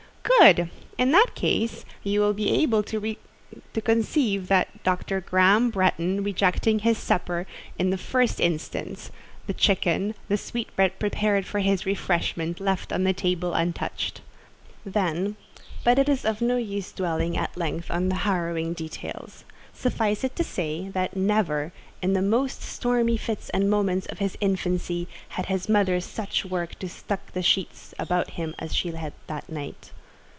"Good! In that case, you will be able to conceive Dr. Graham Bretton rejecting his supper in the first instance—the chicken, the sweetbread prepared for his refreshment, left on the table untouched. Then——but it is of no use dwelling at length on the harrowing details. Suffice it to say, that never, in the most stormy fits and moments of his infancy, had his mother such work to tuck the sheets about him as she had that night."